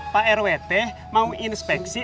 pak rwt mau inspeksi